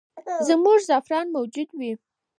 زموږ زعفران موجود وي.